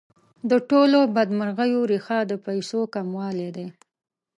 د ټولو بدمرغیو ریښه د پیسو کموالی دی.